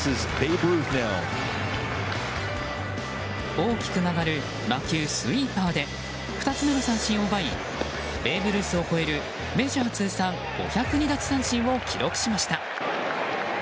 大きく曲がる魔球スイーパーで２つ目の三振を奪いベーブ・ルースを超えるメジャー通算５０２奪三振を記録しました。